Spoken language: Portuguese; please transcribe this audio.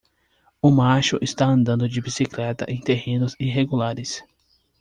Um macho está andando de bicicleta em terrenos irregulares